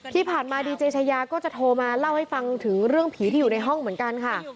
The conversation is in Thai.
ที่ผ่านมาดีเจชายาก็จะโทรมาเล่าให้ฟังถึงเรื่องผีที่อยู่ในห้องเหมือนกันค่ะ